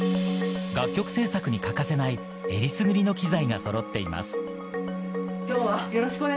楽曲制作に欠かせない、えりすぐりの機材がそろっています。